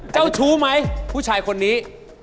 เจ้าชู้ไหมผู้ชายคนนี้